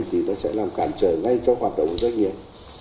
thì nó sẽ làm cản trở ngay cho hoạt động của doanh nghiệp